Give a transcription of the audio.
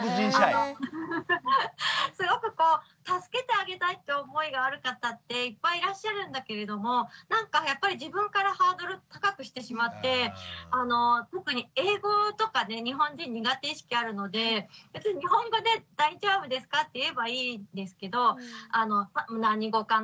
すごく助けてあげたいって思いがある方っていっぱいいらっしゃるんだけれどもなんか自分からハードル高くしてしまって特に英語とかね日本人苦手意識あるので別に日本語で「大丈夫ですか？」って言えばいいんですけど何語かな？